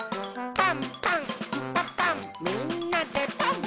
「パンパンんパパンみんなでパン！」